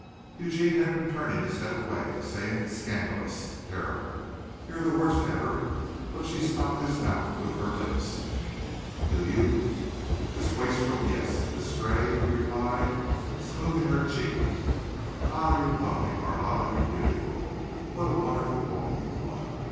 Eugene had been turning his head away, saying "scandalous! terrible, you're the worst ever," but she stopped his mouth with her lips. "Do you?" "This wastrel, yes. This stray," he replied, smoothing her cheek. "Ah, you're lovely, Carlotta, you're beautiful. What a wonderful woman you are."